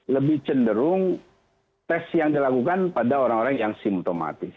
lebih cenderung tes yang dilakukan pada orang orang yang simptomatis